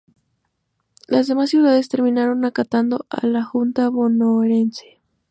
Las demás ciudades terminaron acatando a la junta bonaerense.